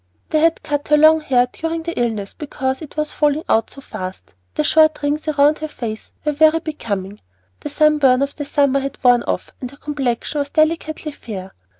They had cut her long hair during the illness because it was falling out so fast; the short rings round her face were very becoming, the sunburn of the summer had worn off and her complexion was delicately fair.